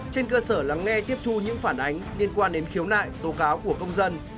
trên cơ sở lắng nghe tiếp thu những phản ánh liên quan đến khiếu nại tố cáo của công dân